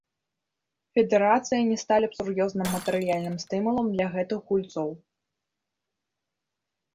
Федэрацыя, не сталі б сур'ёзным матэрыяльным стымулам для гэтых гульцоў.